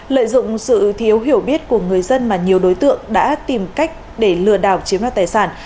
lợi dụng sự thiếu hiểu biết của người dân mà nhiều đối tượng đã tìm cách để lừa đảo chiếm đoạt tài sản